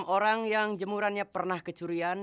enam orang yang jemurannya pernah kecurian